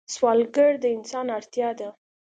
سوالګر د انسان اړتیا ده